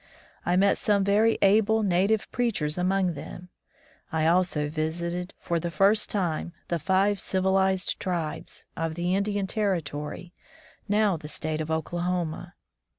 I met some very able native preachers among them. I also visited for the first time the "Five Civilized Tribes" of the Indian Ter ritory, now the state of Oklahoma.